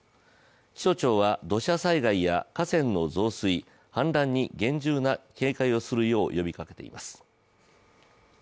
気象庁は土砂災害や河川の増水、氾濫に厳重な警戒をするよう呼びかけています。